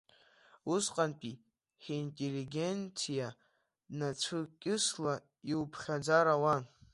Усҟантәи ҳинтеллигенциа нацәкьысла иуԥхьаӡар ауан.